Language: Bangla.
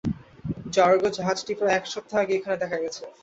যার্গ জাহাজটি প্রায় এক সপ্তাহ আগে এখানে দেখা গেছে।